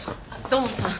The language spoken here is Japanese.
土門さん